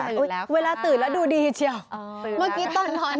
เวลาตื่นแล้วดูดีเชียวเมื่อกี้ตอนนอน